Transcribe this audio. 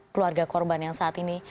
keluarga korban yang saat ini